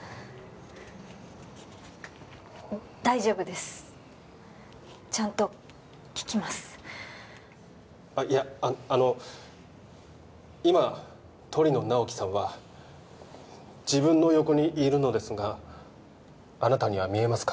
大丈夫ですちゃんと聞きますあっいやあの今鳥野直木さんは自分の横にいるのですがあなたには見えますか？